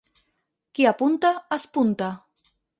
Qui apunta, espunta.